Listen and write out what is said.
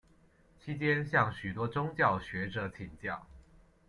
期间向许多宗教学者请教。